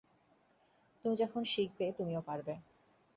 তুমি যখন শিখবে তুমিও পারবে।